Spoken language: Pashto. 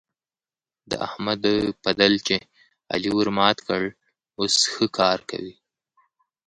د احمد پدل چې علي ورمات کړ؛ اوس ښه کار کوي.